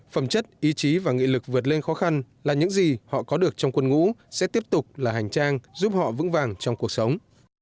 phẩm chất ý chí và nghị lực vượt lên khó khăn là những gì họ có được trong quân ngũ sẽ tiếp tục là hành trang giúp họ vững vàng trong cuộc sống